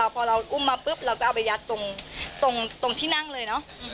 พอเราอุ้มมาปุ๊บเราก็เอาไปยัดตรงที่นั่งเลยเนอะ